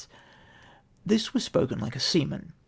This was spoken like a seaman.